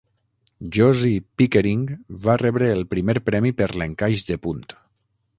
Josie Pickering va rebre el primer premi per l'encaix de punt.